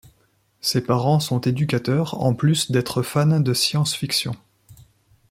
Ses parents sont éducateurs en plus d'êtres fans de science-fiction.